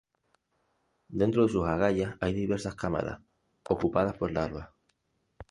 Dentro de sus agallas hay diversas cámaras, ocupadas por las larvas.